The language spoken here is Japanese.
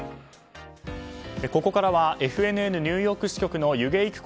ここからはＦＮＮニューヨーク支局の弓削いく子